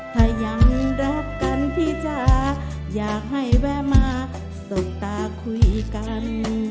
ถ้ายังรักกันพี่จ๋าอยากให้แวะมาสบตาคุยกัน